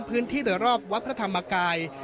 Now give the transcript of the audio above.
พื้นที่โดยรอบวัดพระธรรมกาย